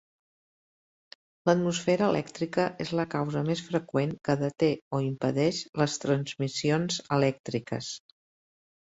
L'atmosfera elèctrica és la causa més freqüent que deté o impedeix les transmissions elèctriques.